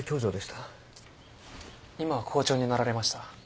今は校長になられました。